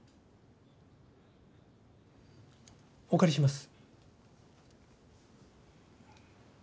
お借りします。